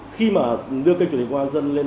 khi mà đưa kênh truyền hình công an dân lên